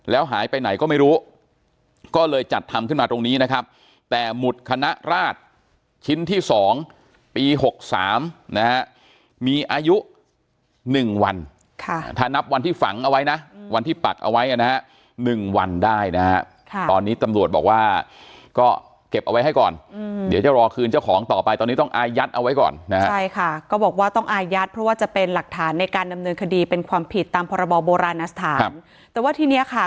แล้วหายไปไหนก็ไม่รู้ก็เลยจัดทำขึ้นมาตรงนี้นะครับแต่หมุดคณะราชชิ้นที่สองปีหกสามนะฮะมีอายุหนึ่งวันค่ะถ้านับวันที่ฝังเอาไว้นะอืมวันที่ปัดเอาไว้นะฮะหนึ่งวันได้นะฮะค่ะตอนนี้ตำรวจบอกว่าก็เก็บเอาไว้ให้ก่อนอืมเดี๋ยวจะรอคืนเจ้าของต่อไปตอนนี้ต้องอายัดเอาไว้ก่อนนะฮะใช่ค่ะ